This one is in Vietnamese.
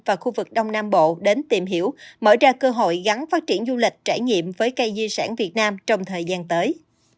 và khu vực đông nam bộ đến tìm hiểu mở ra cơ hội gắn phát triển du lịch trải nghiệm với cây di sản việt nam trong thời gian tới